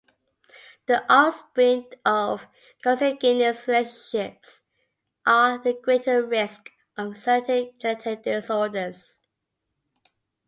The offspring of consanguineous relationships are at greater risk of certain genetic disorders.